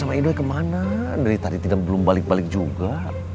sama indo kemana dari tadi belum balik balik juga